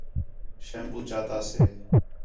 شیمپو چاتا سے